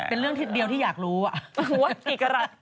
เป็นเรื่องทีเดียวที่อยากรู้อ่ะ